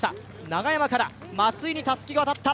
長山から松井にたすきが渡った。